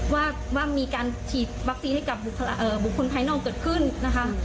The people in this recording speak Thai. ว่าว่ามีการฉีดวัคซีนให้กับเอ่อบุคคลไพนอลเกิดขึ้นนะคะ